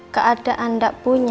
keadaan gak punya